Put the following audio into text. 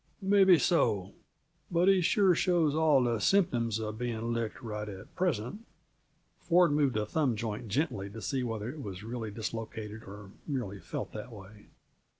"May be so but he sure shows all the symptoms of being licked right at present." Ford moved a thumb joint gently to see whether it was really dislocated or merely felt that way.